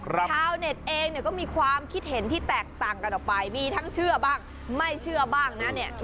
ชาวเน็ตเองเนี่ยก็มีความคิดเห็นที่แตกต่างกันออกไปมีทั้งเชื่อบ้างไม่เชื่อบ้างนะเนี่ย